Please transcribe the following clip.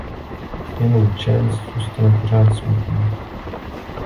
Jenom Chance zůstane pořád smutný.